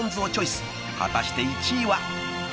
［果たして１位は？］